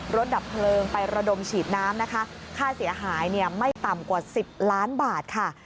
ดับเพลิงไประดมฉีดน้ำนะคะค่าเสียหายเนี่ยไม่ต่ำกว่า๑๐ล้านบาทค่ะ